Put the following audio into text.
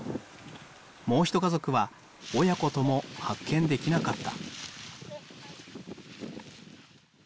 もう一家族は親子とも発見できなかった。